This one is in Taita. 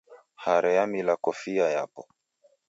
Hare yamila kofia yapo.